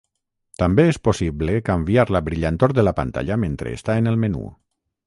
També és possible canviar la brillantor de la pantalla mentre està en el menú.